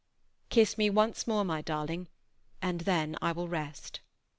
Kiss me once more, my darling, and then I will rest."